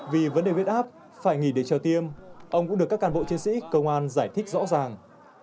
vì vấn đề huyết áp phải nghỉ để chờ tiêm ông cũng được các cán bộ chiến sĩ công an giải thích rõ ràng